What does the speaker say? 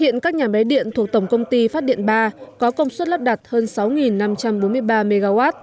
hiện các nhà máy điện thuộc tổng công ty phát điện ba có công suất lắp đặt hơn sáu năm trăm bốn mươi ba mw